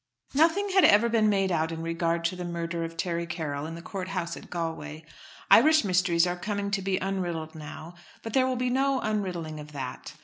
Nothing had ever been made out in regard to the murder of Terry Carroll in the Court House at Galway. Irish mysteries are coming to be unriddled now, but there will be no unriddling of that.